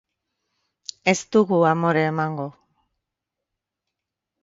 Ez dugu amore emango.